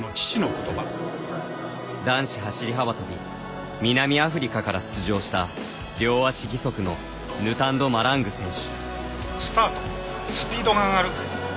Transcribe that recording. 男子走り幅跳び南アフリカから出場した両足義足のヌタンド・マラング選手。